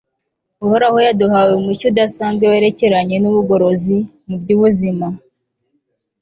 uhoraho yaduhaye umucyo udasanzwe werekeranye n'ubugorozi mu by'ubuzima